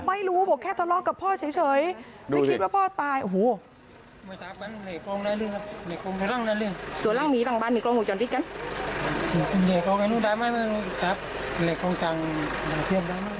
ไม่รู้บอกแค่ทะเลาะกับพ่อเฉยไม่คิดว่าพ่อตายโอ้โห